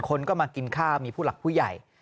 คนก็มากินข้าวมีผู้หลักผู้ใหญ่